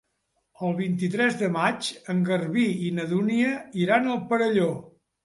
El vint-i-tres de maig en Garbí i na Dúnia iran al Perelló.